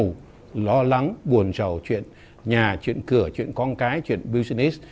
tinh thần lo lắng buồn trầu chuyện nhà chuyện cửa chuyện con cái chuyện business